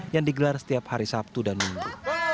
yang digelar setiap hari sabtu dan minggu